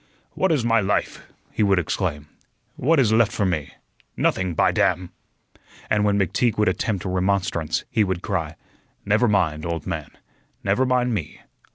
"What is my life!" he would exclaim. "What is left for me? Nothing, by damn!" And when McTeague would attempt remonstrance, he would cry: "Never mind, old man. Never mind me.